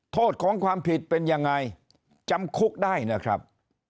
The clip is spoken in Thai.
โทษของความผิดเป็นยังไงจำคุกได้นะครับ